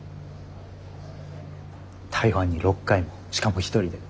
台湾に６回もしかも一人で。